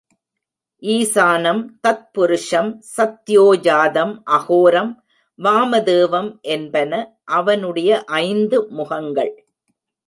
ஈசானம், தத்புருஷம், சத்யோஜாதம், அகோரம், வாமதேவம் என்பன அவனுடைய ஐந்து முகங்கள்.